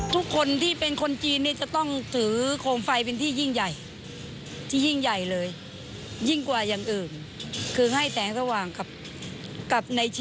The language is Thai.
ทุกคนที่เป็นคนจีนเนี่ยจะต้องถือโคมไฟเป็นที่ยิ่งใหญ่